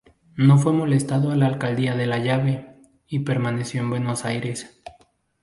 No fue molestado a la caída de Lavalle, y permaneció en Buenos Aires.